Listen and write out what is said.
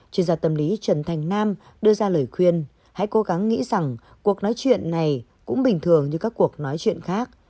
chuyên gia tâm lý trần thành nam đưa ra lời khuyên hãy cố gắng nghĩ rằng cuộc nói chuyện này cũng bình thường như các cuộc nói chuyện khác